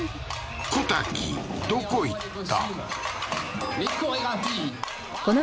小瀧どこ行った？